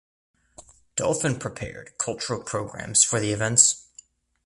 Dolphin prepared cultural programmes for the events.